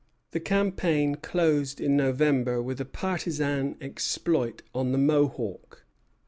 The campaign closed in November with a partisan exploit on the Mohawk.